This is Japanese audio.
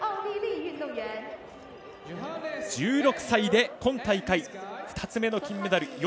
１６歳で今大会２つ目の金メダル。